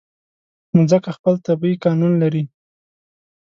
مځکه خپل طبیعي قانون لري.